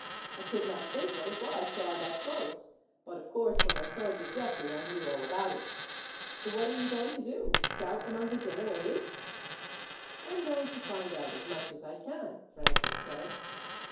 "I could not think what it was till I got close; but of course, when I saw Giuseppi, I knew all about it. What are you going to do scout among the Genoese?" "I am going to find out as much as I can," Francis said.